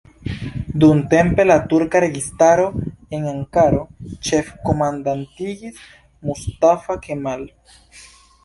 Dumtempe la turka registaro en Ankaro ĉef-komandantigis Mustafa Kemal.